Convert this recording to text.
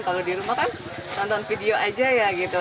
kalau di rumah kan nonton video aja ya gitu